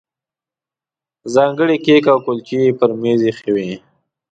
ځانګړي کیک او کولچې یې پر مېز ایښي وو.